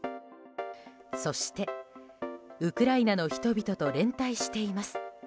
そして、ウクライナの人々と連帯しています。